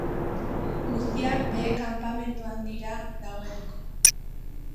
Guztiak behe kanpamentuan dira dagoeneko.